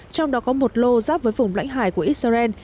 trong đó có một lô giáp với vùng lãnh hải của israel